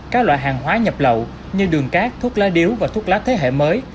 các loại hàng hóa nhập lậu như đường cát thuốc lá điếu và thuốc lá thế hệ mới